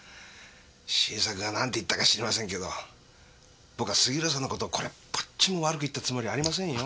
晋作がなんて言ったか知りませんけど僕は杉浦さんの事これっぽっちも悪く言ったつもりありませんよ？